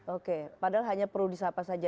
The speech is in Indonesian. oke padahal hanya perlu disapa saja